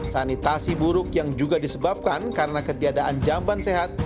sanitasi buruk yang juga disebabkan karena ketiadaan jamban sehat